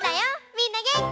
みんなげんき？